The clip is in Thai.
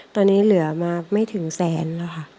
ตอนนี้เหลือมาไม่ถึงแสนแล้วค่ะ